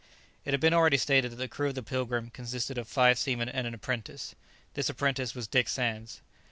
It has been already stated that the crew of the "Pilgrim" consisted of five seamen and an apprentice. This apprentice was Dick Sands.